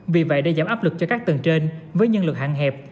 vì vậy để giảm áp lực cho các tầng trên với nhân lực hạn hẹp